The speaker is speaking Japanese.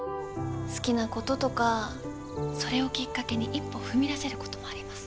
好きなこととかそれをきっかけに一歩踏み出せることもあります。